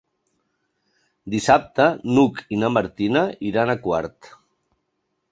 Dissabte n'Hug i na Martina iran a Quart.